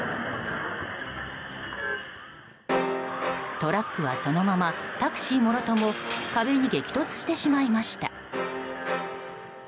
トラックはそのままタクシーもろとも壁に激突してしまいました。